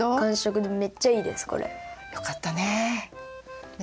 よかったね。